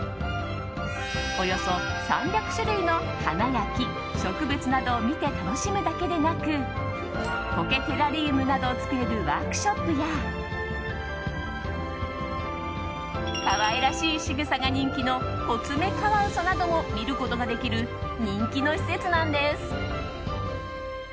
およそ３００種類の花や木植物などを見て楽しむだけでなく苔テラリウムなどを作れるワークショップや可愛らしいしぐさが人気のコツメカワウソなども見ることができる人気の施設なんです。